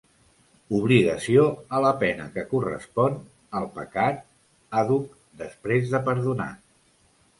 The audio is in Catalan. Obligació a la pena que correspon al pecat àdhuc després de perdonat.